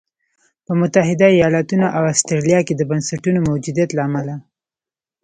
په متحده ایالتونو او اسټرالیا کې د بنسټونو موجودیت له امله.